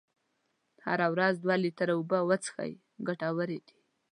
هره ورځ دوه لیتره اوبه وڅښئ ګټورې دي.